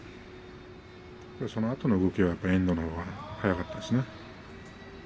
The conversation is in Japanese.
そのあとの動きは遠藤のほうが早かったですね。